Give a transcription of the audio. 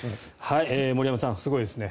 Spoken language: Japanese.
森山さん、すごいですね。